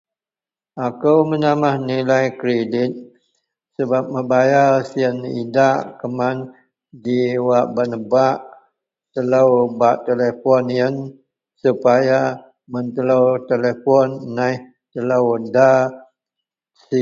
Akou menamah nilai kredit sebap mebayar siyen idak kuman ji wak bak nebak telou bak telipon yen sepaya mun telou telipon neh telou nda sip